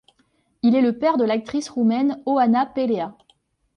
Il est le père de l'actrice roumaine Oana Pellea.